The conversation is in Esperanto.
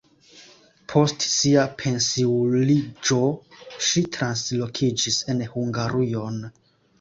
Post sia pensiuliĝo ŝi translokiĝis en Hungarujon.